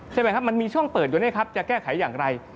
ใช่ไหมครับมันมีช่องเปิดอยู่นี่ครับจะแก้ไขอย่างไร